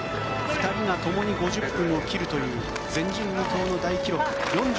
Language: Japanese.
２人がともに５０分を切るという前人未到の大記録。